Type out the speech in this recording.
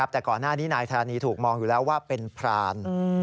แต่ก่อนหน้านี้นายธานีถูกมองอยู่แล้วว่าเป็นพราน